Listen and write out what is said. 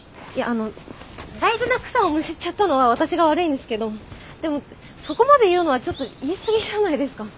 あの大事な草をむしっちゃったのは私が悪いんですけどでもそこまで言うのはちょっと言い過ぎじゃないですか。